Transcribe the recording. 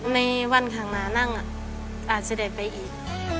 ในวันข้างหน้านั่งอาจจะได้ไปอีก